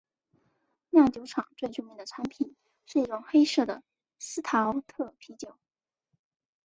酿酒厂最著名的产品是一种黑色的司陶特啤酒。